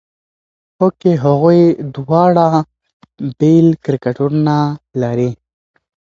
هوکې هغوی دواړه بېل کرکټرونه لري.